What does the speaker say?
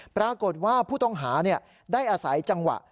ปรากฏว่าผู้ต้องหาได้อาศัยจังหวะ